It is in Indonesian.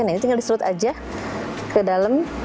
nah ini tinggal diserut aja ke dalam